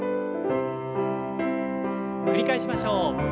繰り返しましょう。